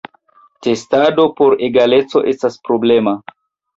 Testado por egaleco estas problema.